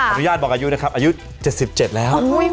อนุญาตบอกอายุนะครับอายุ๗๗แล้ว